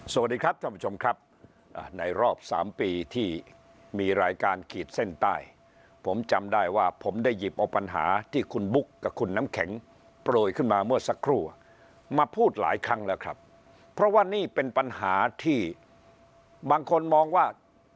สวัสดีครับท่านผู้ชมครับในรอบสามปีที่มีรายการขีดเส้นใต้ผมจำได้ว่าผมได้หยิบเอาปัญหาที่คุณบุ๊คกับคุณน้ำแข็งโปรยขึ้นมาเมื่อสักครู่มาพูดหลายครั้งแล้วครับเพราะว่านี่เป็นปัญหาที่บางคนมองว่า